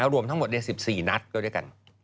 รวมทั้งหมด๑๔นัดก็ด้วยกัน